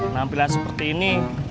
nampilan seperti ini